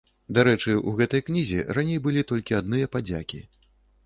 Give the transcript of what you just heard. Дарэчы, у гэтай кнізе раней былі толькі адныя падзякі.